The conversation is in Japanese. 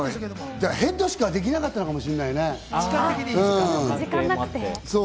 ヘッドしかできなかったのか時間なくて。